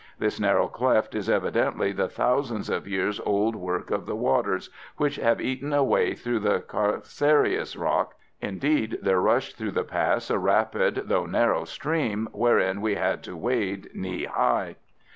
This narrow cleft is evidently the thousands of years old work of the waters, which have eaten a way through the calcareous rock. Indeed, there rushed through the pass a rapid though narrow stream, wherein we had to wade knee high.